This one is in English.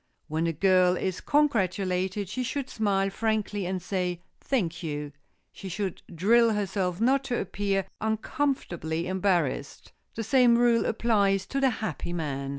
When a girl is congratulated, she should smile frankly and say "Thank you!" She should drill herself not to appear uncomfortably embarrassed. The same rule applies to the happy man.